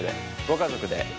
ご家族で。